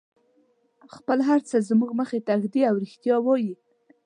خپل هر څه زموږ مخې ته ږدي او رښتیا وایي.